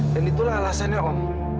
dan itulah alasannya om